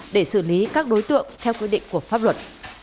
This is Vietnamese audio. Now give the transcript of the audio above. để xử lý các đối tượng theo quy định của pháp luật